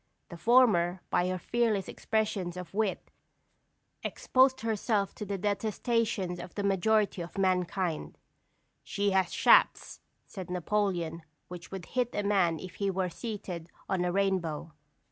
The former, by her fearless expressions of wit, exposed herself to the detestation of the majority of mankind. "She has shafts," said Napoleon, "which would hit a man if he were seated on a rainbow."